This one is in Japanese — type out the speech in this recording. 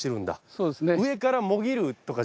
そうですね